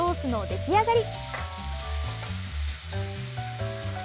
出来上がり。